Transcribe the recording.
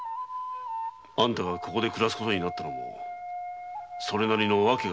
あんたがここで暮らすことになったのもそれなりの訳があったのだろう。